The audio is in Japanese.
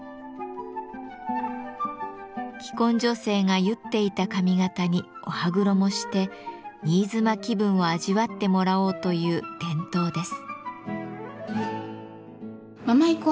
既婚女性が結っていた髪型にお歯黒もして新妻気分を味わってもらおうという伝統です。